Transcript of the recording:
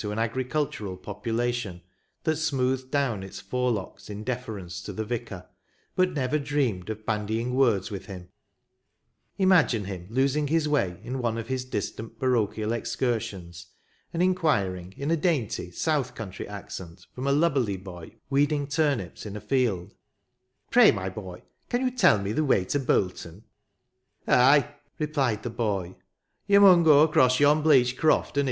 an agricultural population, that smoothed down its forelocks in deference to the vicar, but never dreamed of bandying words with him, — imagine him losing his way in one of his distant parochial excursions, and inquiring, in a dainty south country accent, from a lubberly boy weeding turnips in a field, " Pray, my boy, can you tell me the way to Bolton ?"*' Ay," replied the boy, *' yo' mun go across yon bleach croft and j8 RiVERTON.